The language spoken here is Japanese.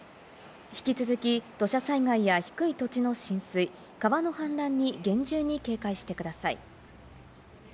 引き続き、土砂災害や低い土地の浸水、川の氾濫に厳重に警戒してください。